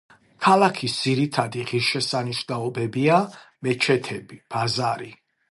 ქალაქის ძირითადი ღირსშესანიშნაობებია მეჩეთები, ბაზარი.